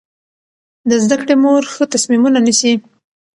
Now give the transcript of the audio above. د زده کړې مور ښه تصمیمونه نیسي.